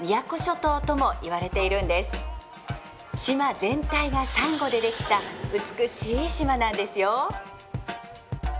島全体がサンゴで出来た美しい島なんですよ。